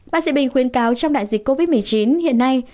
bác sĩ bình khuyên cáo trong đại dịch covid một mươi chín hiện nay